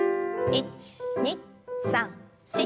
１２３４。